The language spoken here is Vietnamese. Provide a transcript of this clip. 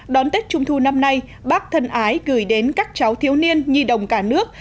đón tết trung thu năm nay bác thân ái gửi đến các cháu thiếu niên nhi đồng cả nước